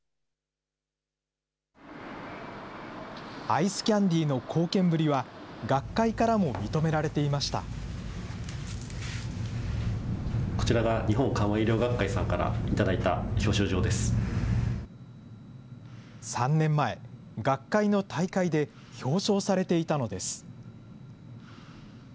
アイスキャンディーの貢献ぶりは、３年前、学会の大会で表彰されていたのです。